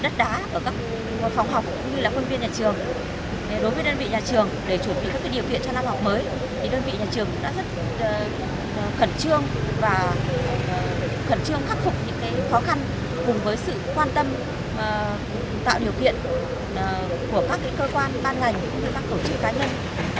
các nhà trường đã khẩn trương khắc phục những khó khăn cùng với sự quan tâm tạo điều kiện của các cơ quan ban ngành và các tổ chức cá nhân